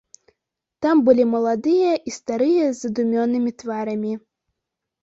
Там былі маладыя і старыя з задумёнымі тварамі.